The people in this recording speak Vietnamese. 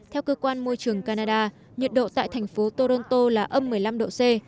theo cơ quan môi trường canada nhiệt độ tại thành phố toronto là âm một mươi năm độ c